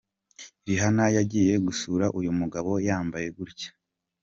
Rihanna yagiye gusura uyu mugabo yambaye gutya !.